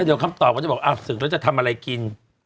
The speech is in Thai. เดี๋ยวคำตอบก็จะบอกศึกแล้วจะทำอะไรกิน